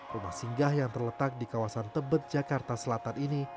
rumah singgah yang terletak di kawasan tebet jakarta selatan ini